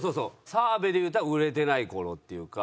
澤部でいうたら売れてない頃っていうか。